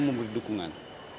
kita membeli dukungan